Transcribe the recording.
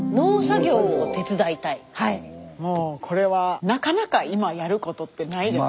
もうこれはなかなか今やることってないです。